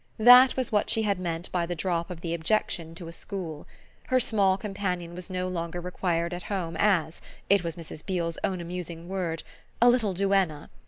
That was what she had meant by the drop of the objection to a school; her small companion was no longer required at home as it was Mrs. Beale's own amusing word a little duenna.